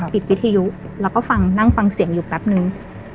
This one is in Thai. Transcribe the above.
วิทยุแล้วก็ฟังนั่งฟังเสียงอยู่แป๊บนึง